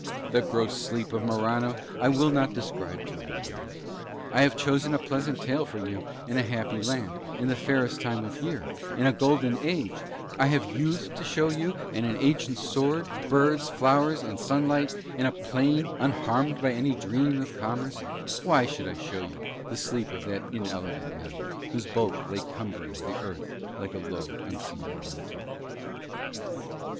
The gross sleep of Morano I will not describe to you, reader. I have chosen a pleasant tale for you in a happy land, in the fairest time of year, in a golden age: I have youth to show you and an ancient sword, birds, flowers and sunlight, in a plain unharmed by any dream of commerce: why should I show you the sleep of that inelegant man whose bulk lay cumbering the earth like a low, unseemly mountain?